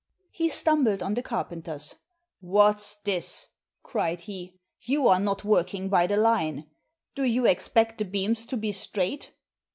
He stumbled on the carpenters. "What's this?" cried he, "you are not working by the line! Do you expect the beams to be straight?